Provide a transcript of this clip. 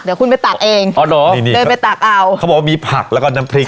เดี๋ยวคุณไปตักเองอ๋อเหรอเดินไปตักเอาเขาบอกว่ามีผักแล้วก็น้ำพริก